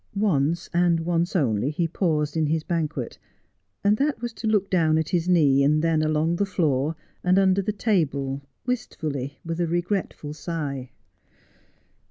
Once, and once only, he paused in his banquet, and that was to look down at his knee, and then along the floor, and under the table wistfully, with a regretful sigh.